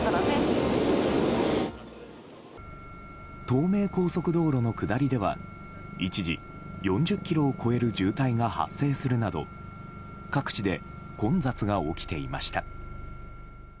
東名高速道路の下りでは一時、４０ｋｍを超える渋滞が発生するなど各地で混雑が起きていました。